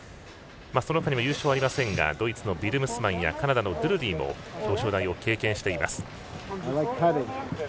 そのほかにも優勝はありませんがドイツのビルムスマンやカナダのドゥルリーも優勝を経験しています。